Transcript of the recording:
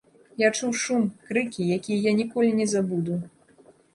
Я чуў шум, крыкі, якія я ніколі не забуду.